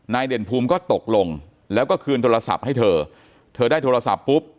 เด่นภูมิก็ตกลงแล้วก็คืนโทรศัพท์ให้เธอเธอได้โทรศัพท์ปุ๊บ